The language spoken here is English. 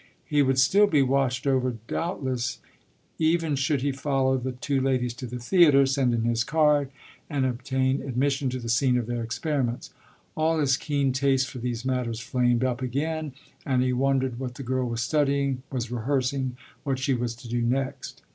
He would still be watched over doubtless, even should he follow the two ladies to the theatre, send in his card and obtain admission to the scene of their experiments. All his keen taste for these matters flamed up again, and he wondered what the girl was studying, was rehearsing, what she was to do next.